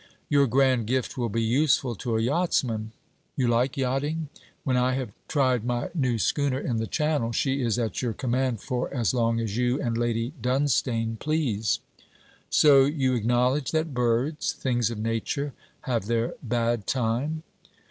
'Your grand gift will be useful to a yachtsman.' 'You like yachting. When I have tried my new schooner in the Channel, she is at your command for as long as you and Lady Dunstane please.' 'So you acknowledge that birds things of nature have their bad time?'